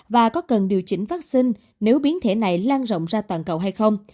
và có cần điều chỉnh vaccine nếu biến thể này lan rộng ra toàn cầu hay không